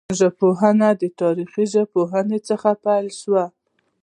ژبپوهنه د تاریخي ژبپوهني څخه پیل سوه.